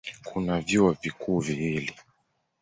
Kuna vyuo vikuu viwili.